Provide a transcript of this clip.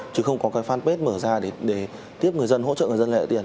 chứ không có cái fanpage mở ra để tiếp người dân hỗ trợ người dân lấy lại tiền